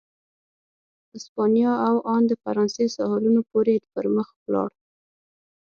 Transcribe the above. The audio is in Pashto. اسپانیا او ان د فرانسې ساحلونو پورې پر مخ ولاړ.